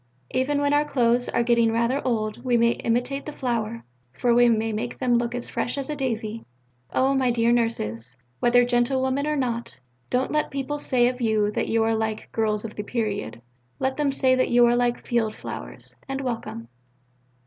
Even when our clothes are getting rather old we may imitate the flower: for we may make them look as fresh as a daisy.... Oh, my dear Nurses, whether gentlewomen or not, don't let people say of you that you are like "Girls of the Period": let them say that you are like "field flowers," and welcome.